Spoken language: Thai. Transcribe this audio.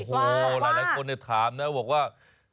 โอ้โหหลายคนถามนะบอกว่า